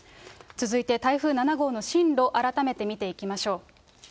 続いて台風７号の進路、改めて見ていきましょう。